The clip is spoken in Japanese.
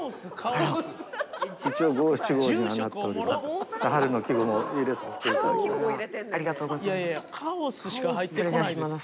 ありがとうございます。